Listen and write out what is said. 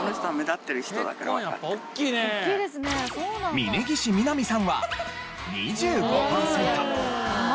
峯岸みなみさんは２５パーセント。